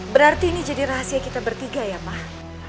berarti ini jadi rahasia kita bertiga ya pak